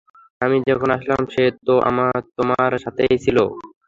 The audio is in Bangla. আমি যখন আসলাম সে তো তোমার সাথেই ছিল।